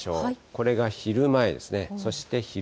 これが昼前ですね。